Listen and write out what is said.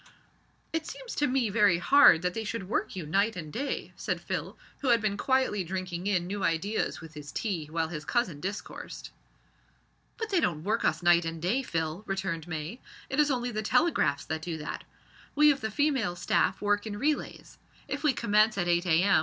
"It seems to me very hard that they should work you night and day," said Phil, who had been quietly drinking in new ideas with his tea while his cousin discoursed. "But they don't work us night and day, Phil," returned May, "it is only the telegraphs that do that. We of the female staff work in relays. If we commence at 8 a.m.